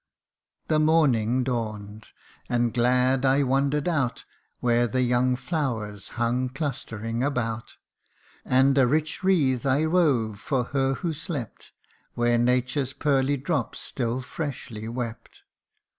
CANTO II. 65 " The morning dawn'd, and glad I wander'd out Where the young flowers hung clustering about : And a rich wreath I wove for her who slept, Where nature's pearly drops still freshly wept.